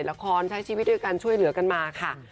ละครใช้ชีวิตด้วยกันช่วยเหลือกันมาค่ะ